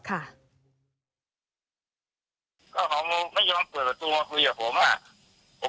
ก็ไม่ยอมเปิดประตูมาคุยกับผม